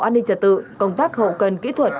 an ninh trật tự công tác hậu cần kỹ thuật